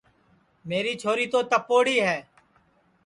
میری چھوری تو تپوڑی ہے